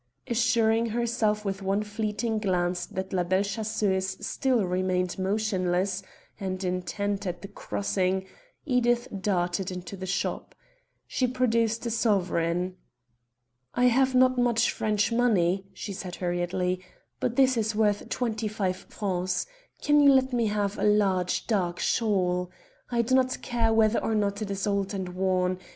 Assuring herself with one fleeting glance that La Belle Chasseuse still remained motionless and intent at the crossing, Edith darted into the shop. She produced a sovereign. "I have not much French money," she said hurriedly, "but this is worth twenty five francs. Can you let me have a large dark shawl? I do not care whether or not it is old or worn.